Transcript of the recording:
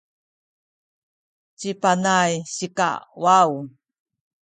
ci Panay sikawaw